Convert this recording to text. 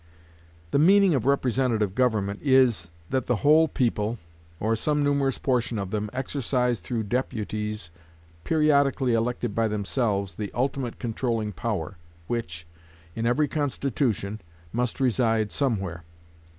The meaning of representative government is, that the whole people, or some numerous portion of them, exercise through deputies periodically elected by themselves the ultimate controlling power, which, in every constitution, must reside somewhere.